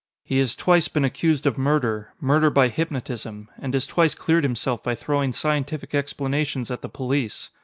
He has twice been accused of murder murder by hypnotism and has twice cleared himself by throwing scientific explanations at the police.